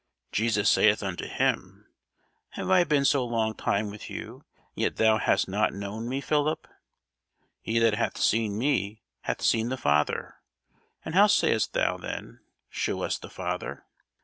Jesus saith unto him, Have I been so long time with you, and yet hast thou not known me, Philip? he that hath seen me hath seen the Father; and how sayest thou then, Shew us the Father?